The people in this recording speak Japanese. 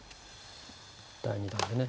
第２弾でね。